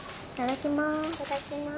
いただきます。